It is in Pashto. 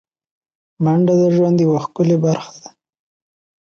منډه د ژوند یوه ښکلی برخه ده